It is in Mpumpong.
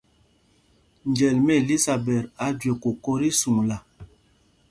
Njɛl mí Elisaɓɛt á jüe kokō tí suŋla.